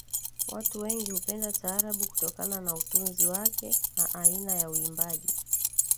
Watu wengi hupenda taarabu kutokana na utunzi wake na aina ya uimbaji